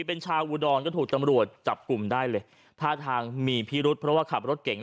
เป็นชาวอุดรก็ถูกตำรวจจับกลุ่มได้เลยท่าทางมีพิรุษเพราะว่าขับรถเก่ง